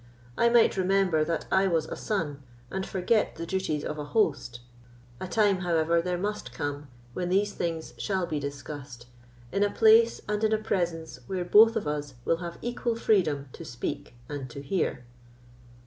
I might remember that I was a son, and forget the duties of a host. A time, however, there must come, when these things shall be discussed, in a place and in a presence where both of us will have equal freedom to speak and to hear."